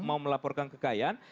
mau melaporkan kekayaan